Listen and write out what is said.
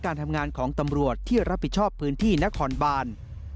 การทำงานของตำรวจที่รับผิดชอบพื้นที่นครบาน